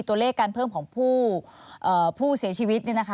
ตัวเลขการเพิ่มของผู้เสียชีวิต